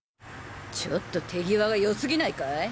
ちょっと手際が良すぎないかい？